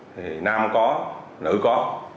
thì nam có nữ có